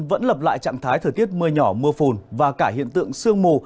vẫn lặp lại trạng thái thời tiết mưa nhỏ mưa phùn và cả hiện tượng sương mù